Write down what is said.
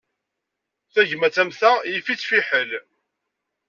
Tagmat am ta, yif-itt fiḥel.